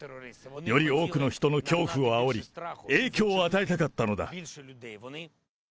より多くの人の恐怖をあおり、影響を与えたかったのだ。